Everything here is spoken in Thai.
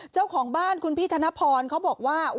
เจ้าของบ้านคุณพี่ธนพรเขาบอกว่า